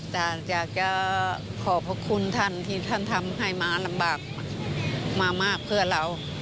ใจจะขอบคุณท่านที่ท่านทำให้มาลำบากมามากเพื่อเรา